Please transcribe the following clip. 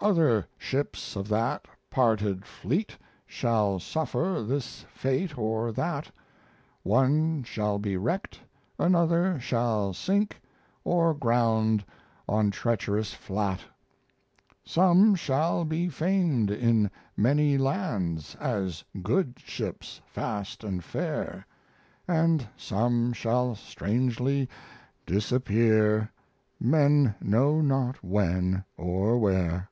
other ships of that parted fleet Shall suffer this fate or that: One shall be wrecked, another shall sink, Or ground on treacherous flat. Some shall be famed in many lands As good ships, fast and fair, And some shall strangely disappear, Men know not when or where.